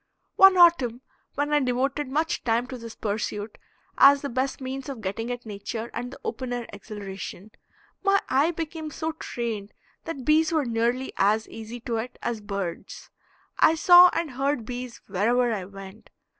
One autumn when I devoted much time to this pursuit, as the best means of getting at nature and the open air exhilaration, my eye became so trained that bees were nearly as easy to it as birds. I saw and heard bees wherever I went.